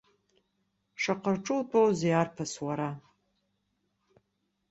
Шаҟа рҿы утәоузеи, арԥыс, уара?